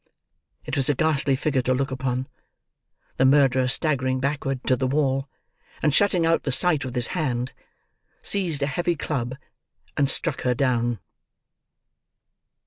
It was a ghastly figure to look upon. The murderer staggering backward to the wall, and shutting out the sight with his hand, seized a heavy club and struck her down.